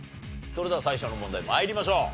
それでは最初の問題参りましょう。